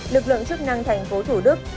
lực lượng chức năng thành phố thủ đức